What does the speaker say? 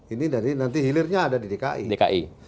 ini nanti hilirnya ada di dki